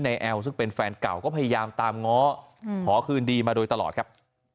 แอลซึ่งเป็นแฟนเก่าก็พยายามตามง้อขอคืนดีมาโดยตลอดครับ